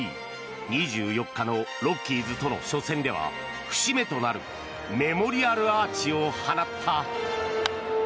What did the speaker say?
２４日のロッキーズとの初戦では節目となるメモリアルアーチを放った。